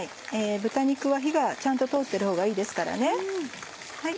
豚肉は火がちゃんと通ってるほうがいいですからね。